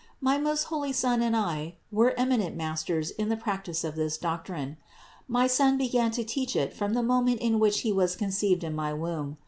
My most holy Son and I were eminent Masters in the prac tice of this doctrine. My Son began to teach it from the moment in which He was conceived in my womb.